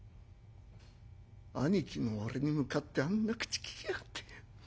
兄貴の俺に向かってあんな口利きやがって。